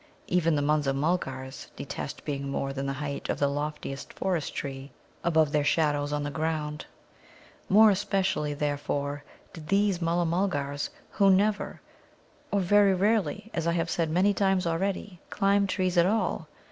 Even the Munza mulgars detest being more than the height of the loftiest forest tree above their shadows on the ground; more especially, therefore, did these Mulla mulgars, who never, or very rarely, as I have said many times already, climb trees at all.